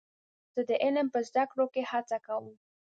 زه د علم په زده کړه کې هڅه کوم.